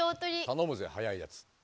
たのむぜ早いやつ。